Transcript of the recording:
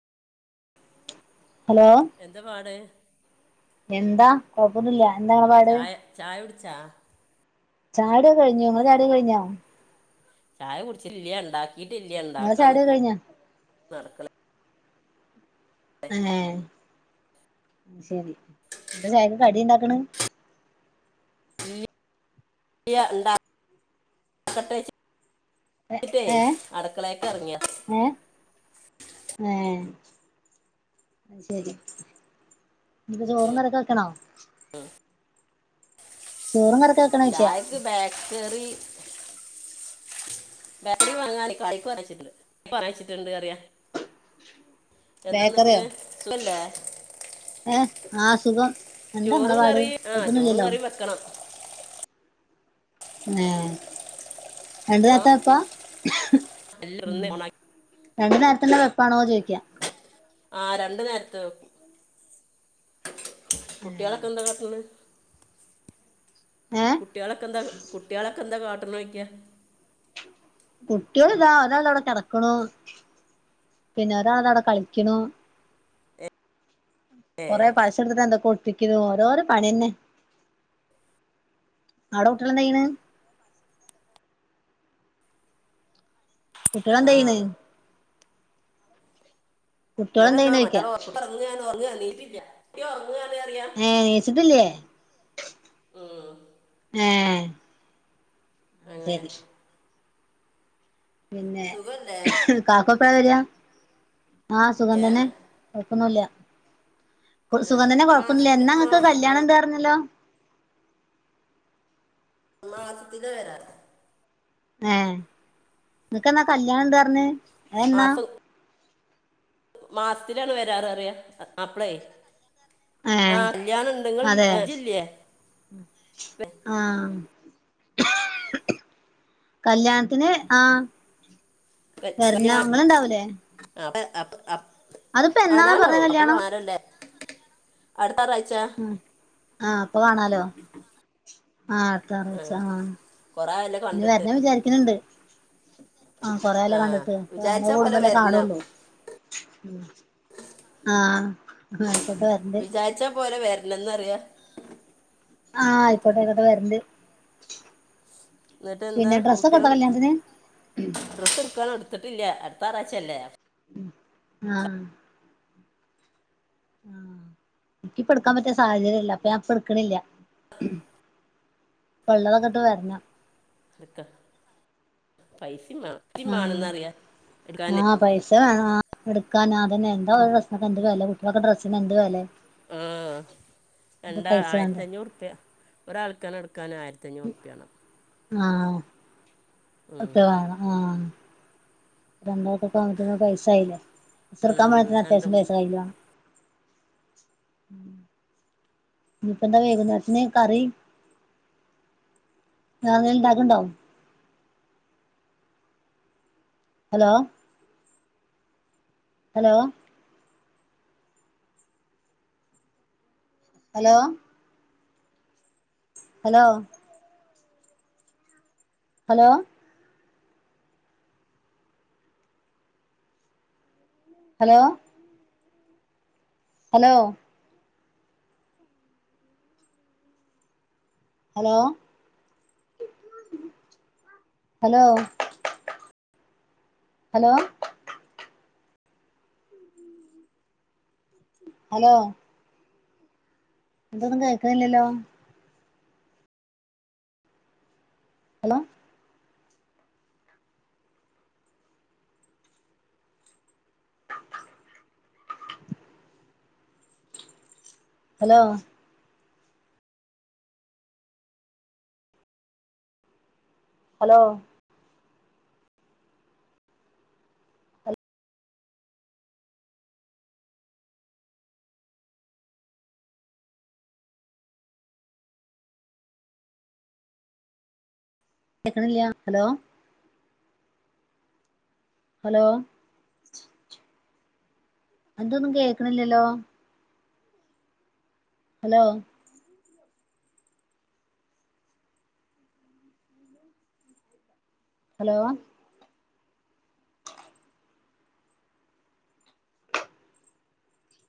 Hello എന്താ പാട് എന്താ കൊപ്പന്നൂല്ല ചായ ചായ കുടിച്ചാ ചായകുടിയൊക്കെകഴിഞ്ഞു നിങ്ങടെ ചായ കുടിയൊക്കെകഴിഞ്ഞോ ചായ കുടിച്ചിില്ല ഉണ്ടാക്കീട്ട ഇല്ല ഇങ്ങളെ ചായുടിയൊക്കെ കഴിഞ്ഞോ ഇങ്ങളെ ഉണ്ടാക്കാ ചായുടിയൊക്കെ കഴിഞ്ഞോ നിക്ക്ണ്നടക്ക ഏഹ ശെരി എന്ത ചായക്ക് കടിുണ്ടാക്കണ്? ഉണ്ട ഏഹ് ിട്ടേ ഏഹ് അടക്കളയക്കെ ഇറങ്ങിയ അ ശരി ഇപ്പ ചോറും കറിക്കൊ വെക്കണോ? ചോറും കറി - ചായക്ക് ബേക്കറി - ഉ ബാറ്റ വാങ്ങ കച്ചിട്ടുണ്ട്യച്ചിട്ടുണ്ട് അറിയ എന്താന്നിട്ട് ബേക്കറിയോ ഇല്ലേ ആഹ അ സുഖം എന്താ നിങ്ങളെ പാട് ആ ചോറും ഒഴപ്പന്നില്ലല്ലോ കറിയും വെക്കണം ഏ രണ്ട ആ നോത്താപ്പാ എല്ലാം ഒന്ന് ഓണാക്കി രണ്ടു നേരത്തിന്റെ വെപ്പാണോ ചോദിക്കാ? ആ രണ്ടു നേരത്ത വെക്കും. കുട്ടികളൊക്കെ എന്താ കാട്ടെ ഏഹ് കുട്ടികളൊക്കെന്താ കുട്ടികളൊക്കെ എന്താ കാട്ടൻോക്കാ? കുട്ടികള് ഇതാ ഒരാള് ഇവിടെ കിടക്കണ് പിന്നെ ഒരാള് അതാ അവിടെ കളിക്കണ് ഏ ഒരാള് പശ എടുത്തിട്ട് എന്തൊക്കെയൊ ഒട്ടിക്കുന്നു ഓരോരോ പണി തന്നെ അവിടെ കുട്ടികൾ എന്നാ ചെയ്യണ് കുട്ടികൾ എന്താ ചെയ്യണത് ആ കുട്ടികൾ ഇവിടെ എന്താ ചെയ്യണ് [unintelligible] ചോദിക്കാ ഉറങ്ങുവാണ് ഉറങ്ങി എണീറ്റില്ല [unintelligible] ഏ എണീറ്റിട്ടില്ലേ ഉം ഏ അത് അങ്ങനെ ശരി പിന്നെ സുഖല്ലേ കാക്ക ഇപ്പോ എവിടെയാ ആഹ് സുഖം ഏ തന്നെ കൊഴപ്പം ഒന്നുമില്ല ആ സുഖം തന്നെ കൊഴപ്പം ഒന്നുമില്ല മാസത്തില് എന്നാ നിങ്ങക്ക് മാ- ഏ, കല്യാണം ഉണ്ട് പറഞ്ഞല്ലോ മാസത്തില് വരാറ് ഏ നിങ്ങക്ക് എന്നാ കല്യാണം ഇണ്ട് പറഞ്ഞത് അത് എന്നാ മാസം മാസത്തിലാണ് വരാറ് പറയാ അപ്പളേ ഏ ആഹ് കല്യാണം നിങ്ങള് അതെ [unintelligible] ആ കല്യാണത്തിന് ആഹ് വരണം ഇങ്ങളുണ്ടാവില്ലേ അപ് അപ് ആ പറഞ്ഞെ നാണ്ടാവും അപ്പൊ കല്യാണം കാനല്ലേ അടുത്താറായ് ഉം ആഹ് അപ്പൊ കാണാലോ ആഹ് അടുത്ത ആ ഞാറാഴ്ച്ച ആഹ് കൊറേ ആയല്ലോ ഇന്ന് കണ്ടിട്ട് വര്നം വിചാരിക്ക്ണ് ണ്ട് ആഹ് ആ കൊറായല്ലോ കണ്ടിട്ട് ആ അങ്ങനെ വിചാരിച്ച പോലെ കൂടുമ്പല്ലേ വരണം കാണുള്ളൂ ആഹ് [unintelligible] വിചാരിച്ചാ പോരാ വര്നംന്നറിയാ. ആഹ് അയ്ക്കോട്ടെ അയ്ക്കോട്ടെ വര്ന്റ് ന്നിട്ട് എന്താ കുട്ട്യാൾ ഡ്രസ് എടുക്കാന ടുത്ത് ട്ടില്ല അടുത്ത ഞായറാഴ്ചല്ലേ ഉം ആഹ് ആഹ് ഇൻക്കിപ്പ എടുക്കാൻ പറ്റിയ സാഹചര്യല്ല അപ്പൊ ഞാൻ പ്പൊട്ക്ക്ണില്ല്യ ഉള്ളതൊക്കെട്ട് വര്നം നിക്കെ പൈസ ആഹ് ആഹ് പൈസ വേണം എടുക്കാൻ ആ അതന്നെ എന്താ ഡ്രസിനൊക്കെ എന്ത് വേലേ കുട്ടികൾക്ക് ഡ്രസിന് എന്ത് വെലേ ആഹ് രണ്ടാ പൈസ വേണ്ടേ ആയിര്ത്തഞ്ഞൂറ്പ്യ ഒരാൾക്കാണ് എടു ക്കാന് ആയിരത്തഞ്ഞൂറുപ്യാണം ആഹ് അത്രവാണം ആ രണ്ടാ ഈ സാധൻത്തിന് പൈസ ആയില്ലേ ഡ്രസ്സ്ട്ക്കാ ഉം. പോവാത്തിന് രണ്ട് അത്യാവശ്യം പൈസ കയ്യില് വേണം ഉം ഇഞ്ഞിപ്പന്താ വെയ്കുന്നേര്ത്തിന് കറി വാങ്ങൽ ഇണ്ടാക്ക്ണ്ടോ hello hello hello hello hello hello hello hello hello hello hello എന്തൊന്നും കേൾക്കിണ്ല്ലല്ലോ അലോ ഹലോ ഹലോ കേക്ക്ണില്യാ അലോ ഹലോ എന്തൊന്നും കേക്ക്ണില്യല്ലോ ഹലോ ഹലോ